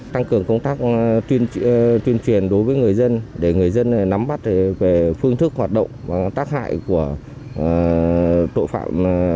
tăng cường công tác tuyên truyền đối với người dân để người dân nắm bắt về phương thức hoạt động và tác hại của tội phạm